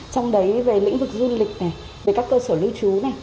trong đấy về lĩnh vực du lịch này về các cơ sở lưu trú này